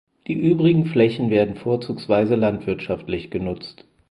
Die übrigen Flächen werden vorzugsweise landwirtschaftlich genutzt.